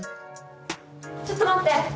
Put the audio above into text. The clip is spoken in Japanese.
ちょっと待って！